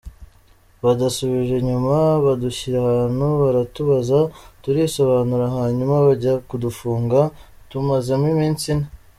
Badusubije inyuma, badushyira ahantu baratubaza, turisobanura hanyuma bajya kudufunga, tumazemo iminsi ine.’’